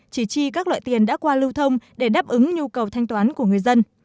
chỉ chi các loại tiền đã qua lưu thông để đáp ứng nhu cầu thanh toán của người dân